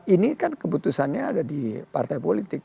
ini kan keputusannya ada di partai politik